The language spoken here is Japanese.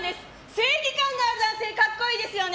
正義感がある男性格好いいですよね。